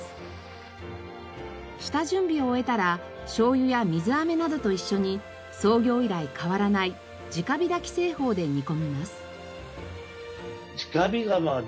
下準備を終えたら醤油や水あめなどと一緒に創業以来変わらない直火炊き製法で煮込みます。